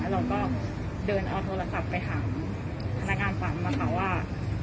เราก็เดินเอาโทรศัพท์ไปถามพนักงานปั๊มว่า